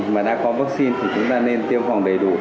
mà đã có vaccine thì chúng ta nên tiêm phòng đầy đủ